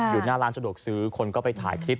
อยู่หน้าร้านสะดวกซื้อคนก็ไปถ่ายคลิป